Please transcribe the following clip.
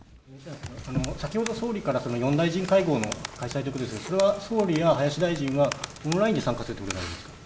先ほど総理から４大臣会合の開催ということでありますが総理や林大臣はオンラインで参加するということですか。